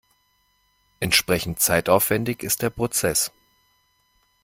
Entsprechend zeitaufwendig ist der Prozess.